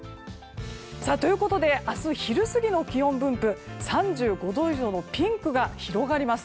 明日、昼過ぎの気温分布３５度以上のピンクが広がります。